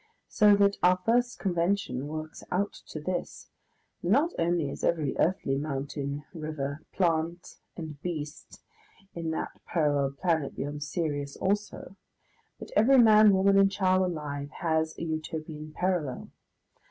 So that our first convention works out to this, that not only is every earthly mountain, river, plant, and beast in that parallel planet beyond Sirius also, but every man, woman, and child alive has a Utopian parallel.